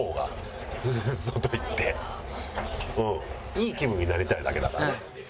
いい気分になりたいだけだからね。